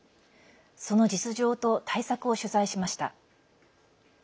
その実情と対策を取材しました。